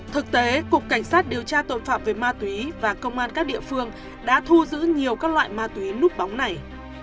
thực tế cục cảnh sát điều tra tội phạm về ma túy và công an các địa phương đã thu giữ nhiều các loại ma túy núp bóng này